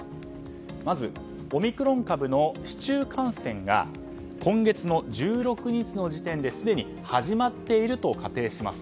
まずオミクロン株の市中感染が今月の１６日の時点ですでに始まっていると仮定します。